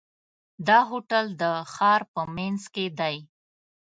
دا هوټل د ښار په منځ کې دی.